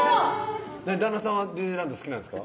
旦那さんはディズニーランド好きなんですか？